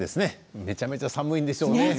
めちゃめちゃ寒いんでしょうね。